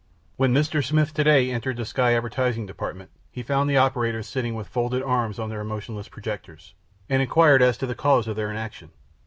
When Mr. Smith to day entered the sky advertising department, he found the operators sitting with folded arms at their motionless projectors, and inquired as to the cause of their inaction.